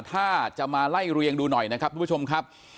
ถ้าจะมาไล่เรียงดูหน่อยนะครับทุกผู้ชมครับ